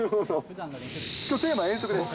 きょう、テーマ遠足です。